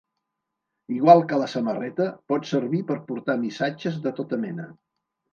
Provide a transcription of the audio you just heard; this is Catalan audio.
Igual que la samarreta, pot servir per portar missatges de tota mena.